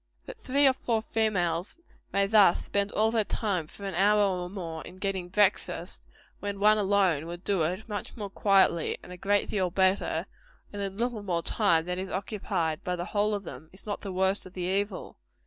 That three or four females may thus spend all their time for an hour or more in getting breakfast, when one alone would do it much more quietly and a great deal better, and in little more time than is occupied by the whole of them, is not the worst of the evil.